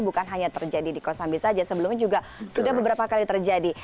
bukan hanya terjadi di kosambi saja sebelumnya juga sudah beberapa kali terjadi